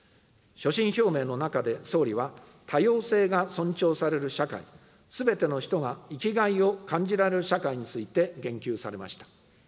所信表明の中で総理は、多様性が尊重される社会、すべての人が生きがいを感じられる社会について言及されました。